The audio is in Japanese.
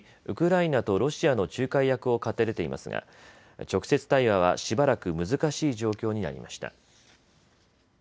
ウクライナとロシアの仲介役を買って出ていますが直接対話はしばらく難しい状況になりました。